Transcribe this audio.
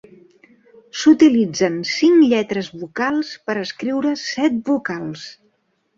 S'utilitzen cinc lletres vocals per escriure set vocals.